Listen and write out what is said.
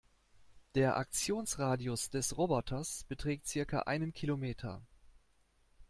Der Aktionsradius des Roboters beträgt circa einen Kilometer.